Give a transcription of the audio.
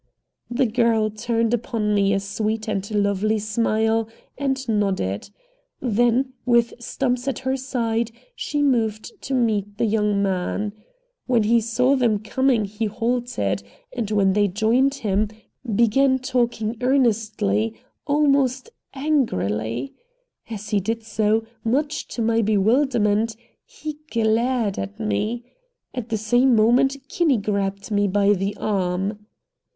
The girl turned upon me a sweet and lovely smile and nodded. Then, with Stumps at her side, she moved to meet the young man. When he saw them coming he halted, and, when they joined him, began talking earnestly, almost angrily. As he did so, much to my bewilderment, he glared at me. At the same moment Kinney grabbed me by the arm.